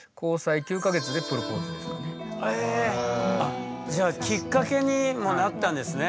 あっじゃあきっかけにもなったんですね。